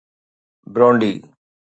Burundi